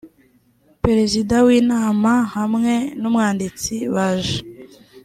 perezida w inama hamwe n umwanditsi baje